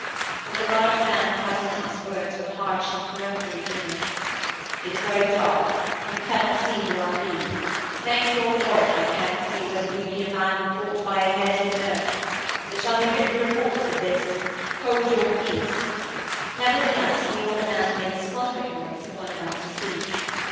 But the large man cut in on his words with a harsh and peremptory vehemence. 'It is very dark. You cannot see who I be. Thank your God I cannot see whether you be a man who fought by a hedge or no. There shall be reports written of this. Hold your peace.' Nevertheless the old man made a spluttering noise of one about to speak.